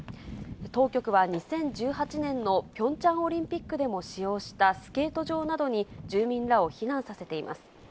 当局は２０１８年のピョンチャンオリンピックでも使用したスケート場などに、住民らを避難させています。